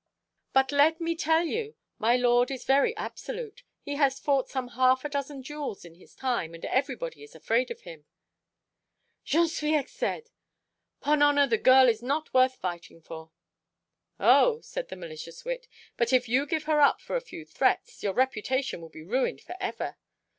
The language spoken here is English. "But let me tell you, my lord is very absolute. He has fought some half a dozen duels in his time, and every body is afraid of him." "J'en suis excèdè. 'Pon honour, the girl is not worth fighting for." "Oh," said the malicious wit, "but if you give her up for a few threats, your reputation will be ruined for ever."